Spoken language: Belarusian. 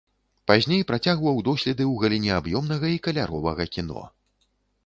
Пазней працягваў доследы ў галіне аб'ёмнага і каляровага кіно.